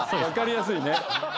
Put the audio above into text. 分かりやすいね。